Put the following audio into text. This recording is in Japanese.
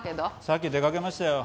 さっき出かけましたよ。